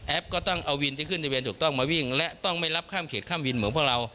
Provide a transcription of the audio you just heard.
ก็ต้องเอาวินที่ขึ้นทะเบียนถูกต้องมาวิ่งและต้องไม่รับข้ามเขตข้ามวินเหมือนพวกเรา